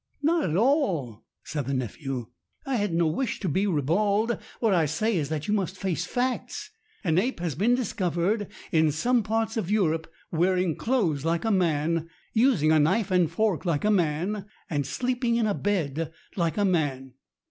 "Not at all," said the nephew. "I had no wish to be ribald. What I say is that you must face facts. An ape has been discovered in some part of Europe wearing clothes like a man, using a knife and fork like a man, sleeping in a bed like a man."